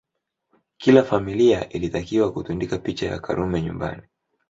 Kila familia ilitakiwa kutundika picha ya Karume nyumbani